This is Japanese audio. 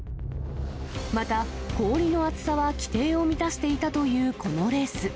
また、氷の厚さは規定を満たしていたというこのレース。